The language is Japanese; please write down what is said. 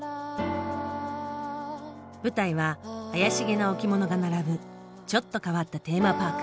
舞台は怪しげな置物が並ぶちょっと変わったテーマパーク。